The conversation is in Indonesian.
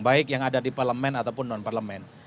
baik yang ada di parlemen ataupun non parlemen